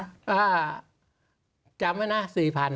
พูดกับคุณประสิทธิ์ว่าอะไรคะ